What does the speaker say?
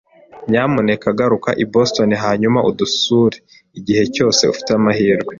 Nyamuneka garuka i Boston hanyuma udusure igihe cyose ufite amahirwe.